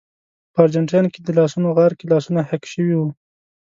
په ارجنټاین کې د لاسونو غار کې لاسونه حک شوي وو.